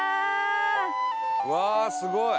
うわーすごい！